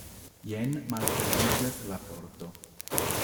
Jen malfermiĝas la pordo.